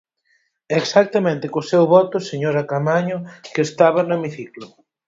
Exactamente co seu voto, señora Caamaño, que estaba no hemiciclo.